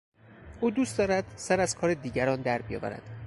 او دوست دارد سر از کار دیگران در بیاورد.